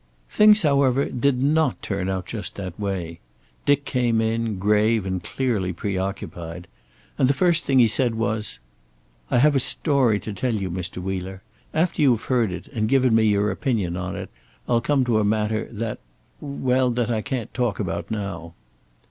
Things, however, did not turn out just that way. Dick came in, grave and clearly preoccupied, and the first thing he said was: "I have a story to tell you, Mr. Wheeler. After you've heard it, and given me your opinion on it, I'll come to a matter that well, that I can't talk about now."